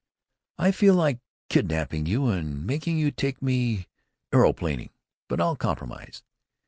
I feel like kidnapping you and making you take me aeroplaning, but I'll compromise.